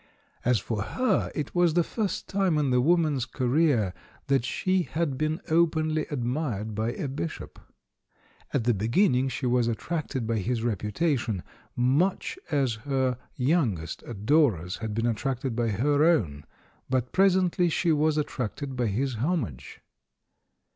As for her, it was the first time in the woman's career that she had been openly admired by a bishop. At the beginning she was attracted by his reputation — much as her youngest adorers had been attracted by her own — but presently she was attracted by his homage.